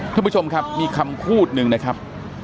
ท่านผู้ชมครับมีคำพูดหนึ่งนะครับ